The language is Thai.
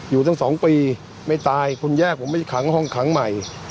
อยู่ตั้ง๒ปีไม่ตายคุณแยกผมไม่ได้ขังห้องขังใหม่